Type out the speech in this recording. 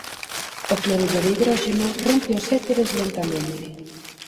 O cloruro de hidróxeno rompe os éteres lentamente.